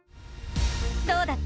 どうだった？